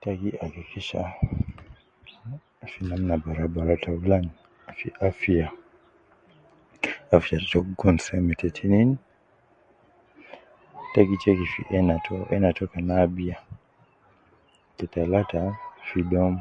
Te gi hakikisha fi namna barabara, taulan fi afia, afia to gi kun seme te tinin, tegi checki fi ena to, ena to kan abiya, te talata fi dom.